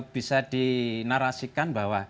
bisa dinarasikan bahwa